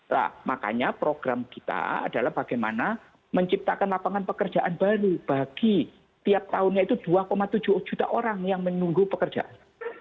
nah makanya program kita adalah bagaimana menciptakan lapangan pekerjaan baru bagi tiap tahunnya itu dua tujuh juta orang yang menunggu pekerjaan